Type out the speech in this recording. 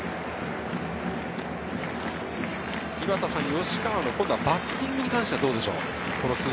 吉川の今度はバッティングに関してはどうですか？